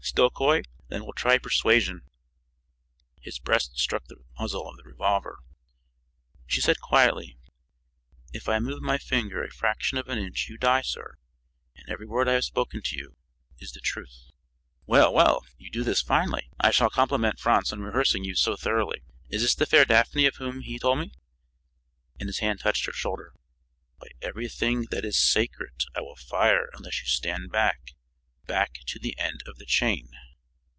Still coy? Then we'll try persuasion!" His breast struck the muzzle of the revolver. She said quietly: "If I move my finger a fraction of an inch you die, sir. And every word I have spoken to you is the truth." "Well, well! You do this finely. I shall compliment Franz on rehearsing you so thoroughly. Is this the fair Daphne of whom he told me " And his hand touched her shoulder. "By everything that is sacred, I will fire unless you stand back back to the end of the chain."